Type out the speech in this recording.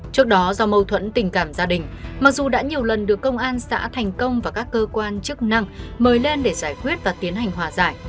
trước đó do mâu thuẫn tình cảm gia đình mặc dù đã nhiều lần được công an xã thành công và các cơ quan chức năng mời lên để giải quyết và tiến hành hòa giải